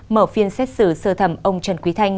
mở phiên xét xử sơ thẩm ông trần quý thanh